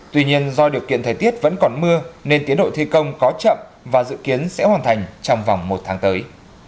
tuy nhiên do điều kiện thời tiết vẫn còn mưa nên tiến độ thi công có chậm và dự kiến sẽ hoàn thành trong vòng một tháng tới